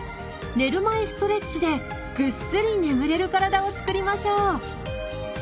寝る前ストレッチでぐっすり眠れる体を作りましょう。